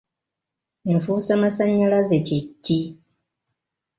Enfuusamasannyalaze kye ki?